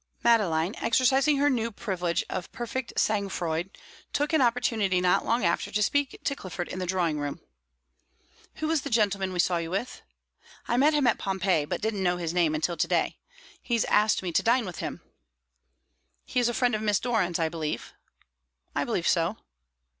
Madeline, exercising her new privilege of perfect sang froid, took an opportunity not long after to speak to Clifford in the drawing room. "Who was the gentleman we saw you with?" "I met him at Pompeii, but didn't know his name till today. He's asked me to dine with him." "He is a friend of Miss Doran's, I believe?" "I believe so."